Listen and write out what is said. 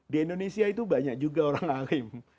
di indonesia itu banyak juga orang alim